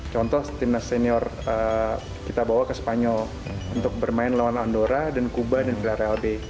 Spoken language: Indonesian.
contoh tim nas senior kita bawa ke spanyol untuk bermain lawan andorra dan kuba dan real b